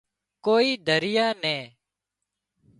ڪوئي ڌريئا نين